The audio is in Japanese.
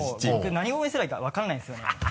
何を応援すればいいか分からないんですよね。